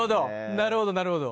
なるほどなるほど。